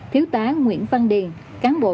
thiếu tá nguyễn văn điền cán bộ